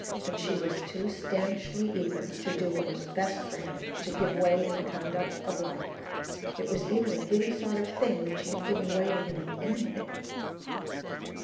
But she was too stanchly eager to do what was best for him to give way in the conduct of life; it was even a giddy sort of thing that she had given way to him in anything.